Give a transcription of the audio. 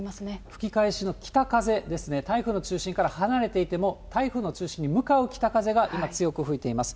吹き返しの北風ですね、台風の中心から離れていても、台風の中心に向かう北風が今、強く吹いています。